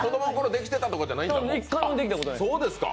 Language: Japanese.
一回もできたことないです。